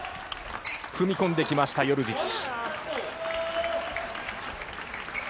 踏み込んでいきました、ヨルジッチ。